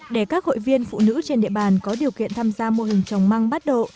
để các hội viên phụ nữ trên địa bàn có điều kiện tham gia mô hình trồng măng bắt độ